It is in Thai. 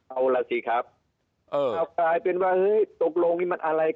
เอาละสิครับถ้าปลายเป็นว่าตกลงมันอะไรกัน